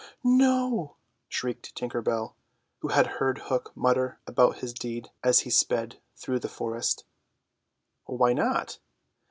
"No!" shrieked Tinker Bell, who had heard Hook mutter about his deed as he sped through the forest. "Why not?"